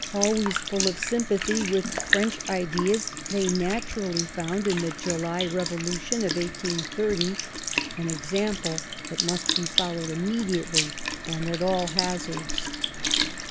Always full of sympathy for French ideas, they naturally found in the July Revolution of 1880, an example that must be followed immediately and at all hazards.